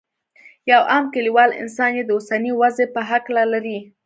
یو عام کلیوال انسان یې د اوسنۍ وضعې په هکله لري.